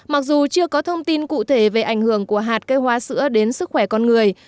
mặc dù chưa có thông tin cụ thể về ảnh hưởng của hạt cây hoa sữa đến sức khỏe con người